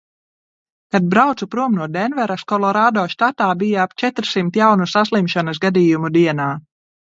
Kad braucu prom no Denveras, Kolorādo štatā bija ap četrsimt jaunu saslimšanas gadījumu dienā.